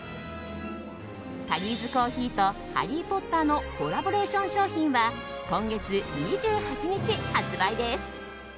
タリーズコーヒーと「ハリー・ポッター」のコラボレーション商品は今月２８日発売です。